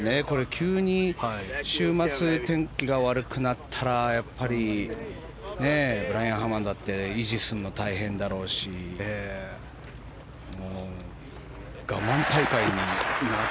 急に週末、天気が悪くなったらブライアン・ハーマンだって維持するの大変だろうし我慢大会みたいに。